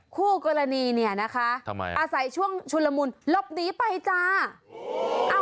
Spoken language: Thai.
คู่กรณีเนี่ยนะคะอาศัยช่วงชุนละมุนหลบหนีไปจ้า